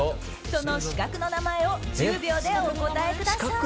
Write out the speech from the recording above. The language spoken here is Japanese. その資格の名前を１０秒でお答えください。